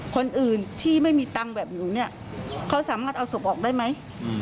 คนอื่นที่ไม่มีตังค์แบบหนูเนี่ยเขาสามารถเอาศพออกได้ไหม